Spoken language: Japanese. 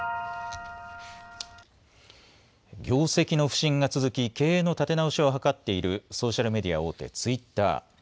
業績の不振が続き、経営の立て直しを図っているソーシャルメディア大手、ツイッター。